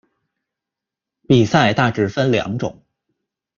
比赛大致分两种。